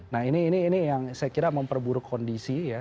nah ini yang saya kira memperburuk kondisi ya